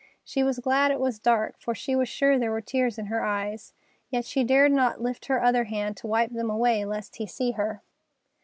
She was glad it was dark, for she was sure there were tears in her eyes; yet she dared not lift her other hand to wipe them away, lest he see her.